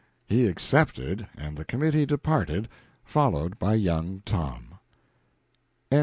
He accepted, and the committee departed, followed by young Tom. CHAPTER XIV.